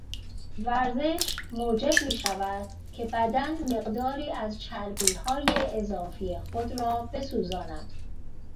ورزش موجب میشود که بدن مقداری از چربیهای اضافی خود را بسوزاند.